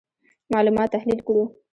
معلومات تحلیل کړو.